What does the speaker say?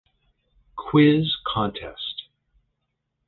Quiz Contest.